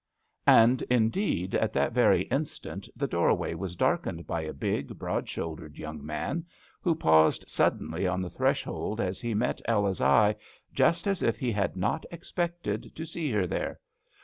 And indeed at that very in stant the doorway was darkened by a big, broad shouldered young man, who paused suddenly on the threshold as he met Ella's eye, just as if he had not ex pected to see her there.